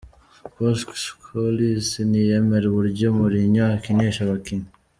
Paul Scholes ntiyemera uburyo Mourinho akinisha abakinnyi.